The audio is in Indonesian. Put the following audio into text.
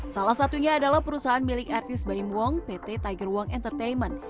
salah satunya adalah perusahaan milik artis baim wong pt tiger wong entertainment